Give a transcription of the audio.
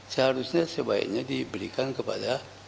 seharusnya sebaiknya diberikan kepada